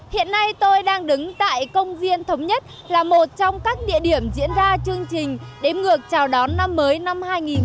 hiện nay tôi đang đứng tại công viên thống nhất là một trong các địa điểm diễn ra chương trình đếm ngược chào đón năm mới năm hai nghìn hai mươi